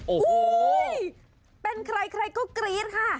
โอ้โหเป็นใครใครก็กรี๊ดค่ะ